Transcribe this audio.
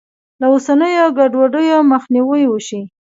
له اوسنیو ګډوډیو مخنیوی وشي.